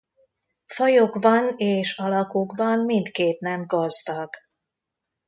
Fajokban és alakokban mindkét nem gazdag.